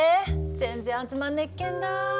全然集まんねっけんだ。